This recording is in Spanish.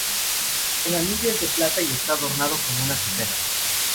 El anillo es de plata y está adornado con una azucena.